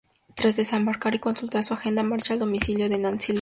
Tras desembarcar y consultar su agenda, marcha al domicilio de Nancy Lee.